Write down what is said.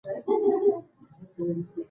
کله چې تاسو افغاني تولید اخلئ.